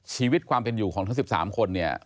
ชีวิตความเป็นอยู่ของทั้ง๑๓คนเนี่ย